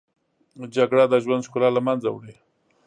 جګړه د ژوند ښکلا له منځه وړي